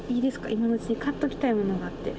今のうちに買っときたいものがあって。